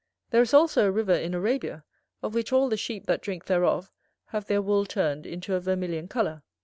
There is also a river in Arabia, of which all the sheep that drink thereof have their wool turned into a vermilion colour.